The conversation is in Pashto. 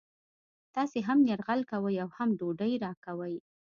تاسې هم یرغل کوئ او هم ډوډۍ راکوئ